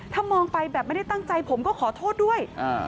ถ้ามองไปแบบไม่ได้ตั้งใจผมก็ขอโทษด้วย